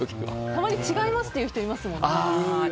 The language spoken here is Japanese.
たまに違いますっていう人いますもんね。